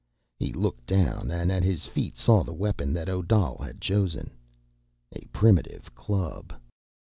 He looked down and at his feet saw the weapon that Odal had chosen. A primitive club.